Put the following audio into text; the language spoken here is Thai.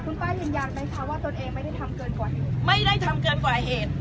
คุณป้ายืนยันไหมคะว่าตนเองไม่ได้ทำเกินกว่าเหตุไม่ได้ทำเกินกว่าเหตุ